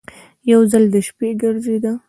یو ځل د شپې ګرځېده.